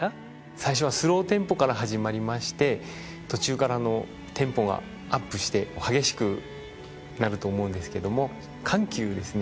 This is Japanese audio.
最初はスローテンポから始まりまして途中からテンポがアップして激しくなると思うんですけども緩急ですね